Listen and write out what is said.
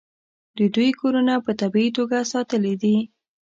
د دوی کورونه په طبیعي توګه ساتلي دي.